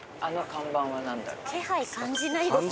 気配感じないですね。